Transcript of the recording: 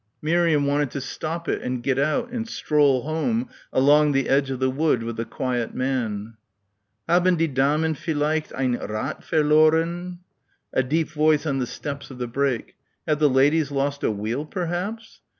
Miriam wanted to stop it and get out and stroll home along the edge of the wood with the quiet man. "Haben die Damen vielleicht ein Rad verloren?" A deep voice on the steps of the brake.... "Have the ladies lost a wheel, perhaps?"